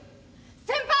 先輩！